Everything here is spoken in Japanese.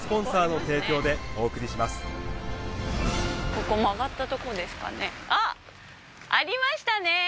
ここ曲がったとこですかねあっありましたね